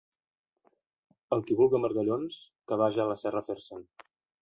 El qui vulga margallons, que vaja a la serra a fer-se’n.